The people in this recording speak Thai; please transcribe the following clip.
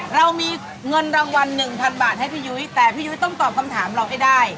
เรามีเงินรางวัลหนึ่งพันบาทให้พี่ยุ้ยแต่พี่ยุ้ยต้องตอบคำถามเราให้ได้